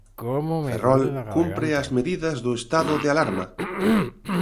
Ferrol cumpre as medidas do estado de alarma.